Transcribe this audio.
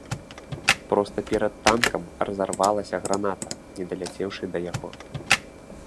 Проста перад танкам разарвалася граната, не даляцеўшы да яго.